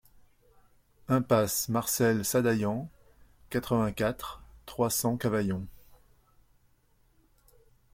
Impasse Marcel Sadaillan, quatre-vingt-quatre, trois cents Cavaillon